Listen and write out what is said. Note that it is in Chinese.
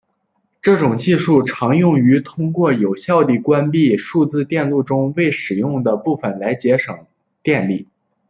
这种技术经常用于通过有效地关闭数字电路中未使用的部分来节省电力。